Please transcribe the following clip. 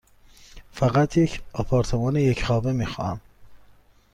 فقط یک آپارتمان یک خوابه می خواهم.